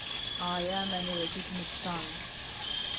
"I am an illegitimate son."